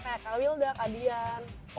kayak kak wilda kak dian